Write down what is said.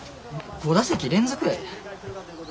５打席連続やで。